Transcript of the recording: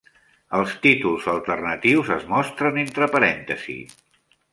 Els títols alternatius es mostren entre parèntesis.